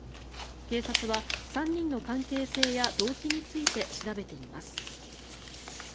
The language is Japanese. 警察は３人の関係性や動機について調べています。